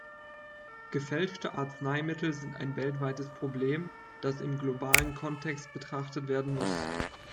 Gefälschte Arzneimittel sind ein weltweites Problem, das im globalen Kontext betrachtet werden muss.